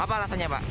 apa alasannya pak